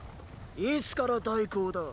いつから代行だ。